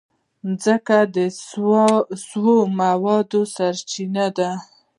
مځکه د سون موادو سرچینه ده.